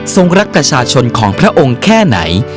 รักประชาชนของพระองค์แค่ไหน